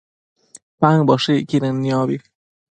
paëmboshëcquidën niobi